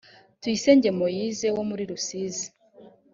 tuyisenge moise wo muri rusizi